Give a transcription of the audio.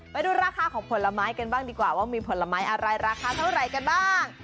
ไปดูราคาของผลไม้กันบ้างดีกว่าว่ามีผลไม้อะไรราคาเท่าไหร่กันบ้าง